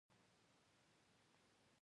تودوخه د فضا په تش ځای کې نه خپرېږي.